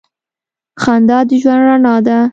• خندا د ژوند رڼا ده.